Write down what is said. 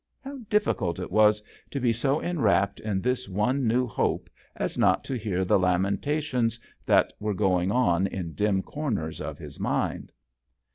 How difficult it was to be so enwrapped in this one new hope as not to hear the lamentations that were going on in dim corners of his mind.